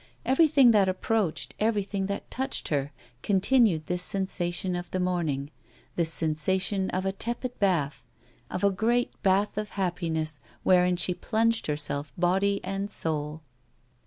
Everything that approached, everything that touched her, continued this sensation of the morning, this sensation of a tepid bath, of a great bath of happiness wherein she plunged herself body and soul.